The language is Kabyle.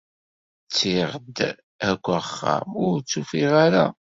Ttiɣ-d akk axxam, ur tt-ufiɣ ara.